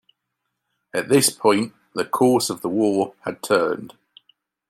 At this point, the course of the war had turned.